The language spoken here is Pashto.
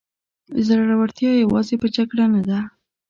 زړورتیا یوازې په جګړه نه ده.